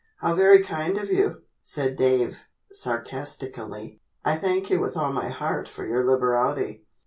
"How very kind of you," said Dave, sarcastically. "I thank you with all my heart for your liberality."